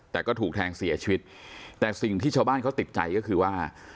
แต่ก็ถูกแทงเสียชีวิตแต่สิ่งที่ชาวบ้านเขาติดใจก็คือว่า